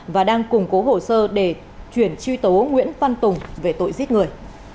và đang củng cố hồ sơ để chuyển truy tố nguyễn văn tùng về tội giết người